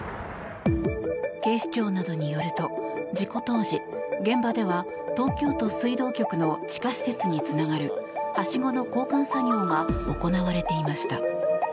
警視庁などによると事故当時、現場では東京都水道局の地下施設につながるはしごの交換作業が行われていました。